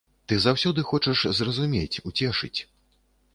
Ты заўсёды хочаш зразумець, уцешыць.